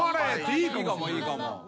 いいかもいいかも。